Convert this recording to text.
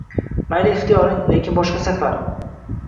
Mayli, ixtiyoring. Lekin boshqa safar.